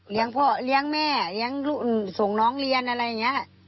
พ่อเลี้ยงแม่เลี้ยงส่งน้องเรียนอะไรอย่างนี้